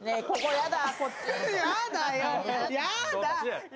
やだ！